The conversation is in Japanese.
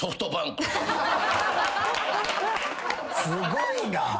すごいな！